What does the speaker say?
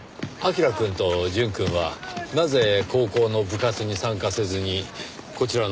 彬くんと淳くんはなぜ高校の部活に参加せずにこちらのチームに？